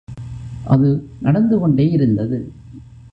அது நடந்து கொண்டே இருந்தது.